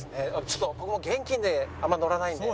ちょっと僕も現金であんまり乗らないので。